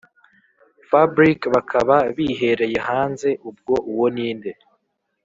fabric bakaba bihereye hanze ubwo uwo ninde